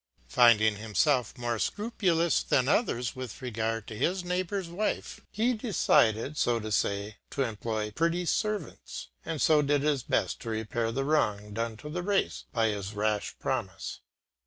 Finding himself more scrupulous than others with regard to his neighbour's wife, he decided, so they say, to employ pretty servants, and so did his best to repair the wrong done to the race by his rash promise.